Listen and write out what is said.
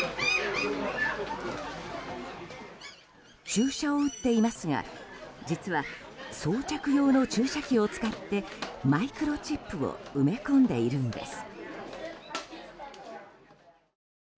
注射を打っていますが実は、装着用の注射器を使ってマイクロチップを埋め込んでいるんです。